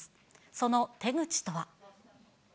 その手口とは。